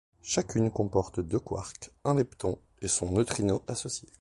Chacune comporte deux quarks, un lepton, et son neutrino associé.